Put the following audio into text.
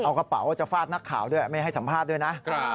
เอากระเป๋าจะฟาดนักข่าวด้วยไม่ให้สัมภาษณ์ด้วยนะ